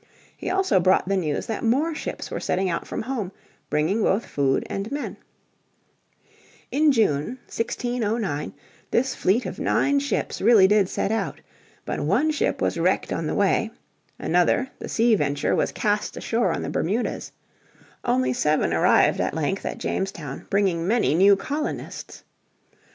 He also brought the news that more ships were setting out from home bringing both food and men. In June, 1609, this fleet of nine ships really did set out. But one ship was wrecked on the way, another, the Sea Venture, was cast ashore on the Bermudas; only seven arrived at length at Jamestown, bringing many new colonists.